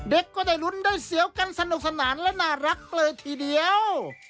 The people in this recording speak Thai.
ก็ได้ลุ้นได้เสียวกันสนุกสนานและน่ารักเลยทีเดียว